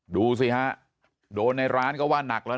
ดูสิฮะโดนในร้านก็ว่านักแล้ว